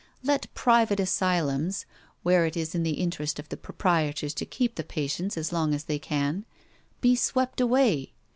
Let private asylums, where it is in the interest of the proprietors to keep the patients as long as they can, be swept away.